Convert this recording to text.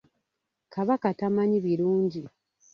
Kabaka tamanyi birungi.